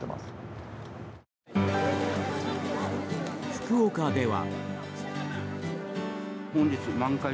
福岡では。